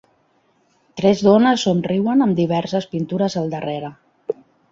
Tres dones somriuen amb diverses pintures al darrere.